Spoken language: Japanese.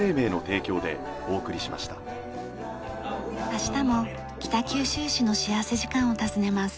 明日も北九州市の幸福時間を訪ねます。